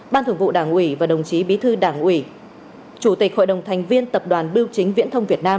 ban thường vụ đảng ủy và đồng chí bí thư đảng ủy chủ tịch hội đồng thành viên tập đoàn biêu chính viễn thông việt nam